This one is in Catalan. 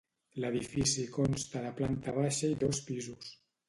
L'edifici consta de planta baixa i dos pisos.